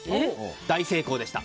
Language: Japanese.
大成功でした。